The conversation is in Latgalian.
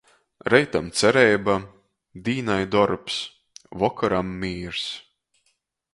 Reitam cereiba, dīnai dorbs, vokoram mīrs.